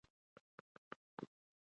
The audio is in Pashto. پښتو کلتور مو ژوندی پاتې شي.